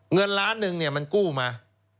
เงินล้านหนึ่งเนี่ยมันกู้มา